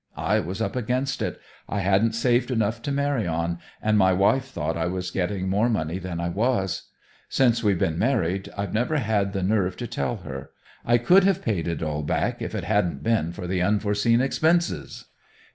I was up against it. I hadn't saved anything to marry on, and my wife thought I was getting more money than I was. Since we've been married, I've never had the nerve to tell her. I could have paid it all back if it hadn't been for the unforeseen expenses."